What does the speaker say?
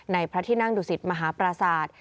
ในพระที่นั่งดุสิตมหาประสาท